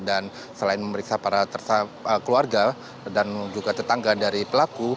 dan selain memeriksa para keluarga dan juga tetangga dari pelaku